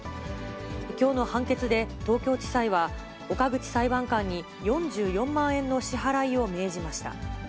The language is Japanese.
きょうの判決で、東京地裁は、岡口裁判官に４４万円の支払いを命じました。